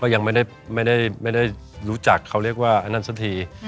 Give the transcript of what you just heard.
ยังไม่ได้รู้จักเขาเรียกว่าอันนั้นสักที